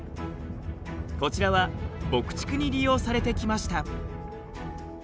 こちらは牧畜に利用されてきました。